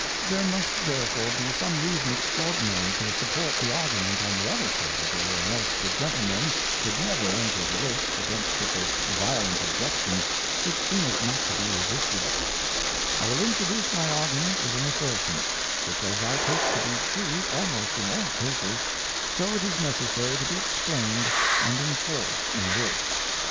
There must therefore be some Reason extraordinary to support the Argument on the other side, or else the Gentlemen could never enter the Lists against such a violent Objection, which seemeth not to be resisted, I will introduce my Argument with an Assertion, which as I take to be true almost in all Cases, so it is necessaiy to be explained and inforced in this.